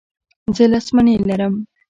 زه لس مڼې لرم.